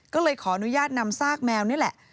ก็เลยขออนุญาตนำซากแมวนี่แหละ